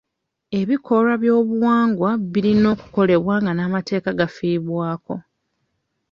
Ebikolwa by'obuwangwa birina okukolebwa nga n'amateeka gafiibwako.